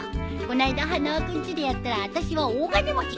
こないだ花輪君ちでやったらあたしは大金持ち。